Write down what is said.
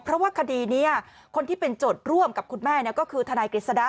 เพราะว่าคดีนี้คนที่เป็นโจทย์ร่วมกับคุณแม่ก็คือทนายกฤษฎะ